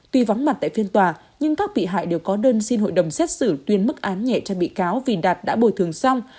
tuy vắng mặt tại phiên tòa nhưng các bị hại đều có đơn xin hội đồng xét xử tuyên mức án nhẹ cho bị cáo vì đạt đã bồi thường xong